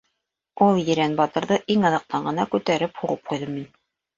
Ул ерән батырҙы иң аҙаҡтан ғына күтәреп һуғып ҡуйҙым мин.